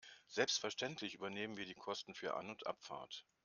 Selbstverständlich übernehmen wir die Kosten für An- und Abfahrt.